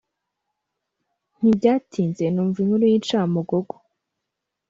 ntibyatinze numva inkuru y’incamugogo,